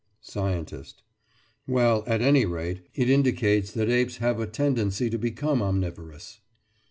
SCIENTIST: Well, at any rate, it indicates that apes have a tendency to become omnivorous.